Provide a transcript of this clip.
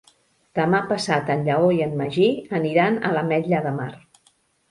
Demà passat en Lleó i en Magí aniran a l'Ametlla de Mar.